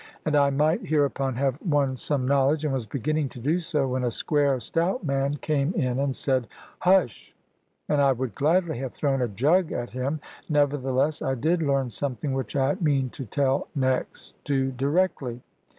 And I might hereupon have won some knowledge, and was beginning to do so, when a square stout man came in and said "Hush!" and I would gladly have thrown a jug at him. Nevertheless, I did learn something which I mean to tell next to directly.